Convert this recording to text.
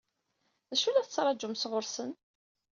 D acu i la tettṛaǧum sɣur-sen?